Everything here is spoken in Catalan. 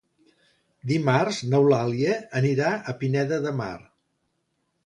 Dimarts n'Eulàlia anirà a Pineda de Mar.